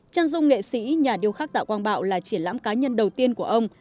chân dung nghệ sĩ nhà điêu khắc tạ quang bảo là triển lãm cá nhân đầu tiên của ông